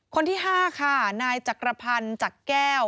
คนที่๕ค่ะนายจักรพันธ์จักแก้ว